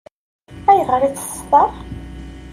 Ayɣer i tt-teṣṣeṛ?